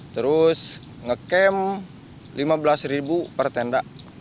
terus nge camp rp lima belas ribu per tenda